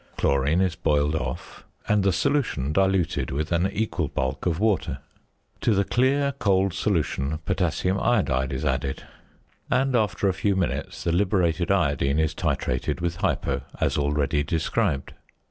Chlorine is boiled off, and the solution diluted with an equal bulk of water. To the clear cold solution potassium iodide is added, and after a few minutes the liberated iodine is titrated with "hypo," as already described.